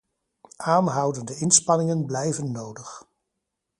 Aanhoudende inspanningen blijven nodig.